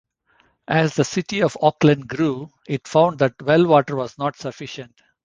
As the city of Auckland grew, it found that well water was not sufficient.